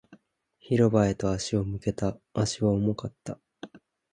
広場へと足を向けた。足は重かった。